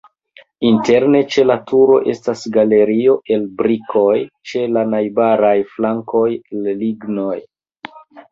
Interne ĉe la turo estas galerio el brikoj, ĉe la najbaraj flankoj el lignoj.